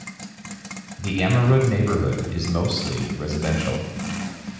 The Ammerud neighborhood is mostly residential.